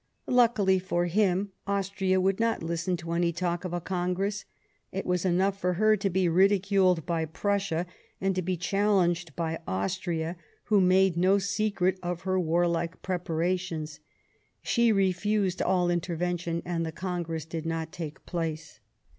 Luckily for him, Austria would not listen to any talk of a Congress ; it was enough for her to be ridiculed by Prussia, and to be challenged by Italy, who made no secret of her warlike preparations ; she refused all intervention, and the Congress did not take place.